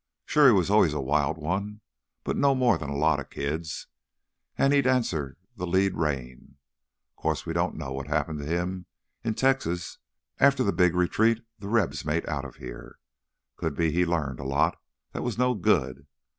Sure he was always a wild one, but no more'n a lotta kids. An' he'd answer th' lead rein. 'Course we don't know what happened to him in Texas after th' big retreat th' Rebs made outta here. Could be he larned a lot what was no good.